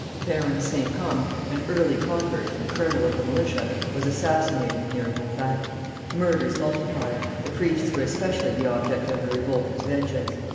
Baron St. Comes, an early convert, and colonel of the militia, was assassinated near Vauvert; murders multiplied; the priests were especially the object of the revolters' vengeance.